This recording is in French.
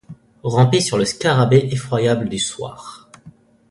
Ramper le scarabée effroyable du soir.